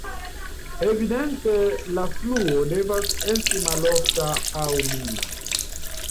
Evidente la fluo devas esti malforta aŭ nula.